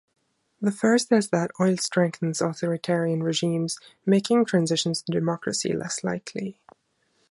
The first is that oil strengthens authoritarian regimes, making transitions to democracy less likely.